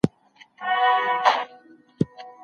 که حضوري زده کړه وي، نو د حضور ثبت اسانه وي.